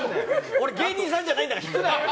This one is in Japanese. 俺、芸人さんじゃないんだから引くな！